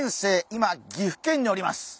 今岐阜県におります！